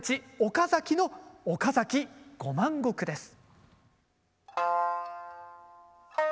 岡崎の「岡崎五万石」です。